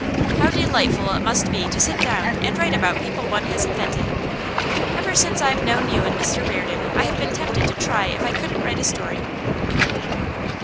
'How delightful it must be to sit down and write about people one has invented! Ever since I have known you and Mr Reardon I have been tempted to try if I couldn't write a story.